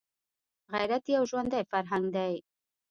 غیرت یو ژوندی فرهنګ دی